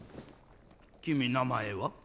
君名前は？